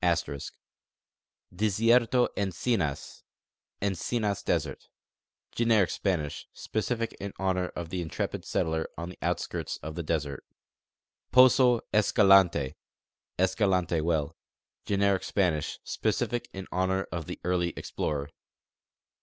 * Disierto Encinas (Encinas desert) : Generic Spanish, specific in honor of the intrepid settler on the outskirts of the desert. Poso Escalante (Escalante well) : Generic Spanish, specific in honor of the early explorer.